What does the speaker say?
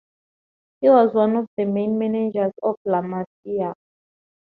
He was one of the main managers of La Masia.